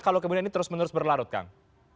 kalau kemudian ini terus menerus berlarut kang